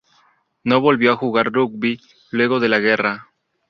No volvió a jugar rugby luego de la guerra.